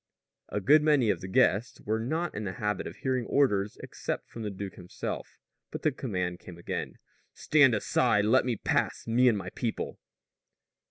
A good many of the guests were not in the habit of hearing orders except from the duke himself; but the command came again: "Stand aside! Let me pass me and my people!"